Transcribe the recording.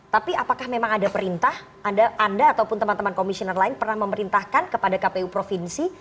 tapi apakah memang ada perintah anda ataupun teman teman komisioner lain pernah memerintahkan kepada kpu provinsi